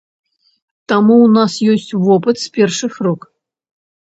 Таму ў нас ёсць вопыт з першых рук.